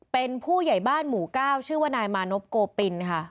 เป็นผู้ใหญ่บ้านหมู่ก้าวชื่อว่านายมานพโกปินค่ะ